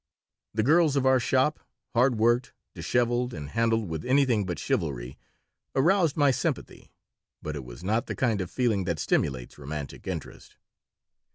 The girls of our shop, hard worked, disheveled, and handled with anything but chivalry, aroused my sympathy, but it was not the kind of feeling that stimulates romantic interest.